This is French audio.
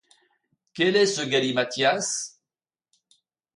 Quel est ce galimatias?